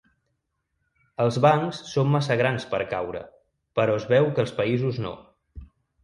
Els bancs són massa grans per caure, però es veu que els països no.